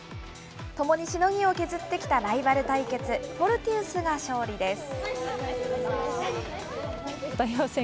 共にしのぎを削ってきたライバル対決、フォルティウスが勝利です。